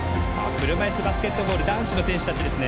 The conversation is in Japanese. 車いすバスケットボール男子の選手たちですね。